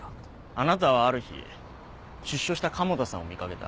あなたはある日出所した加茂田さんを見かけた。